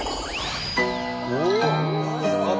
おっ！